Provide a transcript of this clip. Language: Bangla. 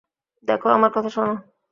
দেখো, আমার কথা শোনো।